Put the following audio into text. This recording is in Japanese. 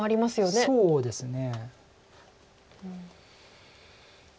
そうですね。